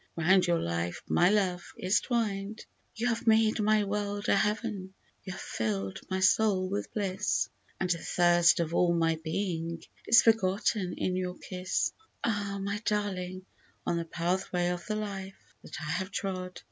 round your life my love is twined ; You have made my world a heaven, you have fill'd my soul with bliss, And the thirst of all my being is forgotten in your kiss L Ah ! my Darling, on the pathway of the life that I have trod.